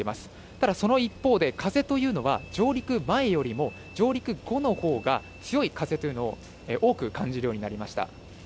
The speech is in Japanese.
ただ、その一方で風というのは上陸前よりも上陸後のほうが、強い風というのを多く感じるようになりました。